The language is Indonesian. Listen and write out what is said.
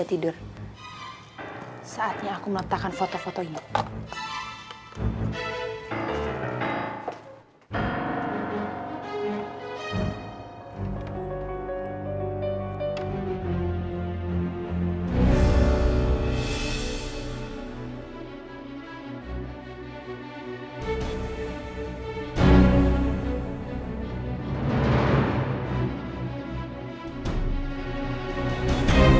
aku yakin hubungan mereka berdua akan hancur